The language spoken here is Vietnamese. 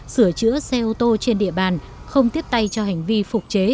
sửa chữa xe ô tô trên địa bàn không tiếp tay cho hành vi phục chế